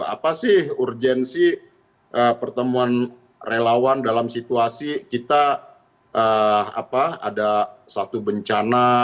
apa sih urgensi pertemuan relawan dalam situasi kita ada satu bencana